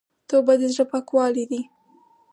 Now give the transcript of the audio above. توبه د زړه پاکوالی ده.